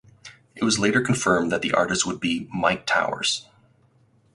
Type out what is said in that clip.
It was later confirmed that the artist would be Myke Towers.